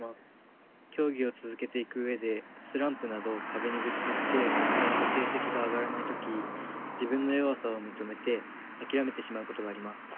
競技を続けていく上でスランプなど壁にぶつかってなかなか成績が上がらない時自分の弱さを認めて諦めてしまうことがあります。